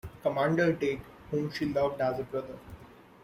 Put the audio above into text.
Commander Date, whom she loved as a brother.